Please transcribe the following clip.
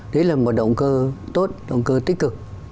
đấy là một động cơ tốt động cơ tích cực